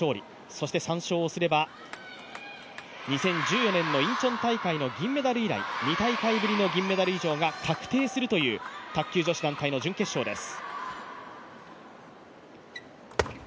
そして３勝をすれば、２０１４年のインチョン大会の銀メダル以来２大会ぶりの銀メダル以上が確定するという卓球女子団体の準決勝です。